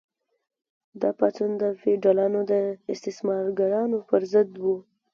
دا پاڅون د فیوډالانو او استثمارګرانو پر ضد و.